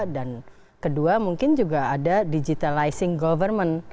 dan kedua mungkin juga ada digitalizing government